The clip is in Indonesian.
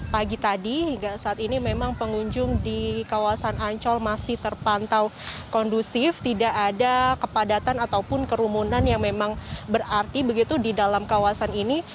pagi tadi hingga saat ini memang pengunjung di kawasan ancol masih terpantau kondusif tidak ada kepadatan ataupun kerumunan yang memang berarti begitu di dalam kawasan ini